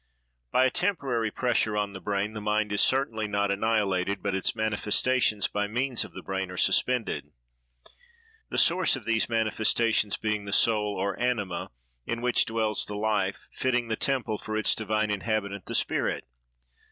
By a temporary pressure on the brain, the mind is certainly not annihilated, but its manifestations by means of the brain are suspended—the source of these manifestations being the soul, or anima, in which dwells the life, fitting the temple for its divine inhabitant, the spirit.